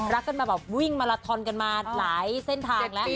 รักกันมาแบบวิ่งมาลาทอนกันมาหลายเส้นทางแล้ว